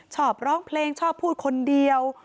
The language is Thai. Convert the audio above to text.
ชอบร้องเพลงชอบพูดคนเดียว